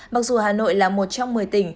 mặc dù hà nội là một trong một mươi tỉnh